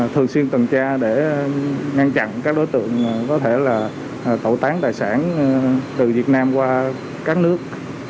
thường xuyên tuần tra để ngăn chặn các đối tượng có thể là tẩu tán tài sản từ việt nam qua các nước